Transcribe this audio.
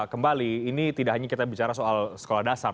kembali ini tidak hanya kita bicara soal sekolah dasar